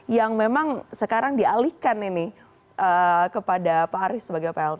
yang memang sekarang dialihkan ini kepada pak haris sebagai plt